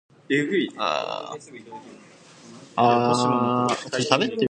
Two wings project on the northwest and southwest sides of the building.